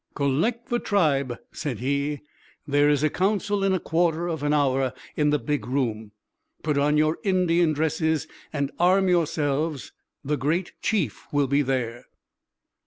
"Collect the tribe," said he. "There is a Council in a quarter of an hour in the big room. Put on your Indian dresses and arm yourselves. The great Chief will be there!"